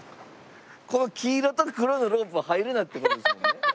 この黄色と黒のロープは入るなって事ですもんね？